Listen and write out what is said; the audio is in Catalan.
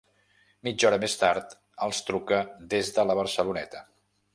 Mitja hora més tard, els truca des de la Barceloneta.